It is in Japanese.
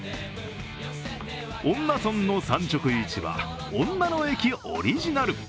恩納村の産直市場、おんなの駅オリジナル。